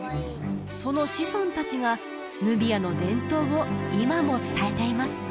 その子孫達がヌビアの伝統を今も伝えています